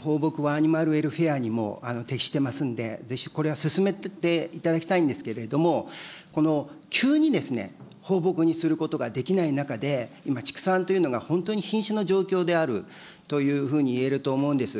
放牧はアニマルウェルフェアにも適してますので、ぜひこれは進めていただきたいんですけれども、急に放牧にすることができない中で、今、畜産というのが本当に瀕死の状況であるというふうにいえると思うんです。